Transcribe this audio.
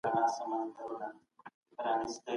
حضرت عمر بن خطاب په خپلي پوهني دنیا بدله کړه.